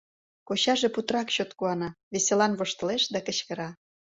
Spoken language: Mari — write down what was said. Кочаже путырак чот куана, веселан воштылеш да кычкыра: